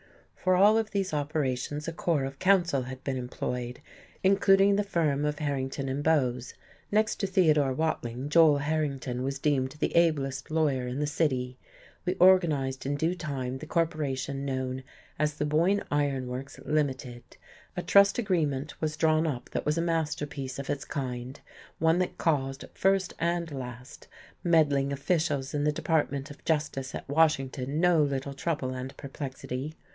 For all of these operations a corps of counsel had been employed, including the firm of Harrington and Bowes next to Theodore Watling, Joel Harrington was deemed the ablest lawyer in the city. We organized in due time the corporation known as the Boyne Iron Works, Limited; a trust agreement was drawn up that was a masterpiece of its kind, one that caused, first and last, meddling officials in the Department of Justice at Washington no little trouble and perplexity.